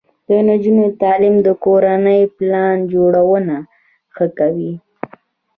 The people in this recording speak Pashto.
د نجونو تعلیم د کورنۍ پلان جوړونه ښه کوي.